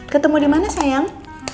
ketemu dimana sayang